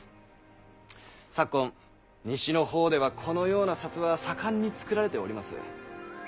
昨今西の方ではこのような札は盛んに作られております。